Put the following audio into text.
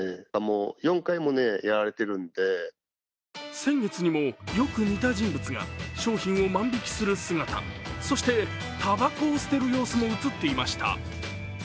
先月にも、よく似た人物が商品を万引きする姿、そして、たばこを捨てる様子も映っていました。